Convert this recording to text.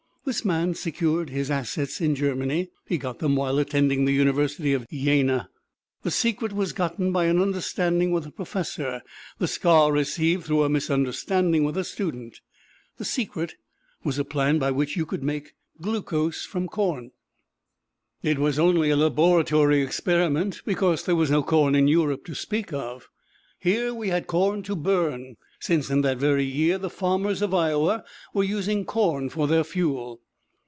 This man secured his assets in Germany; he got them while attending the University of Jena. The secret was gotten by an understanding with a professor; the scar was received through a misunderstanding with a student. The secret was a plan by which you could make glucose from corn. In Germany it was only a laboratory experiment, because there was no corn in Europe to speak of. Here we had corn to burn, since in that very year the farmers of Iowa were using corn for their fuel.